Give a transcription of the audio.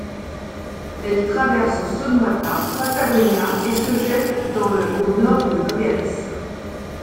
Elle traverse Sonoita, Patagonia et se jette dans le au nord de Nogales.